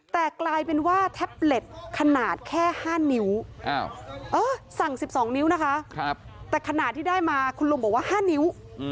แต่กลายเป็นว่าแท็บเล็ตขนาดแค่๕นิ้วสั่ง๑๒นิ้วนะคะแต่ขนาดที่ได้มาคุณลุงบอกว่า๕นิ้ว